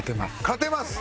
「勝てます」。